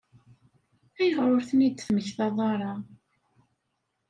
Ayɣer ur ten-id-temmektaḍ ara?